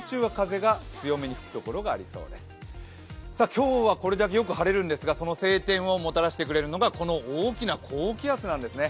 今日はこれだけよく晴れるんですがその晴天をもたらしてくれるのが、この大きな高気圧なんですね。